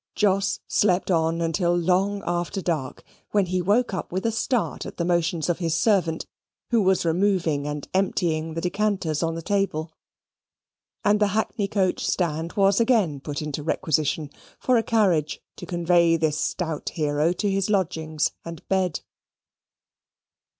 Jos slept on until long after dark, when he woke up with a start at the motions of his servant, who was removing and emptying the decanters on the table; and the hackney coach stand was again put into requisition for a carriage to convey this stout hero to his lodgings and bed.